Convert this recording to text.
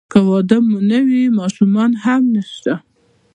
که واده مو نه وي ماشومان هم نشته.